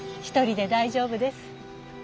一人で大丈夫です。